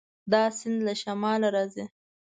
دا سیند له شماله راځي.